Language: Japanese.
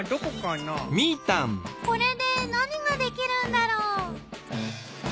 これで何ができるんだろう。